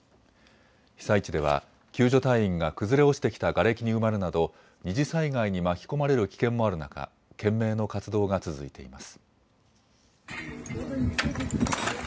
被災地では救助隊員が崩れ落ちてきたがれきに埋まるなど二次災害に巻き込まれる危険もある中、懸命の活動が続いています。